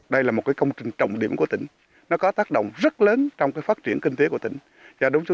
đây là một công trình trọng điểm của tỉnh nó có tác động rất lớn trong phát triển kinh tế của tỉnh